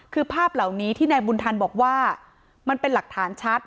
คือภาพเหล่านี้ที่นายบุญธรรมบอกว่ามันเป็นหลักฐานชัด